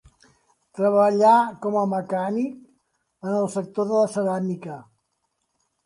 Treballà com a mecànic en el sector de la ceràmica.